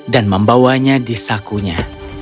dan membawanya di sakunya